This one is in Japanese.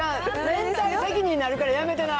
連帯責任になるからやめてな。